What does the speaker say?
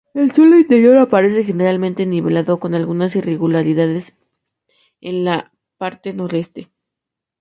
El suelo interior aparece generalmente nivelado, con algunas irregularidades en la parte noreste.